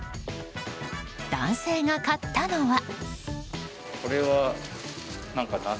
男性が買ったのは。